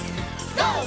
ＧＯ！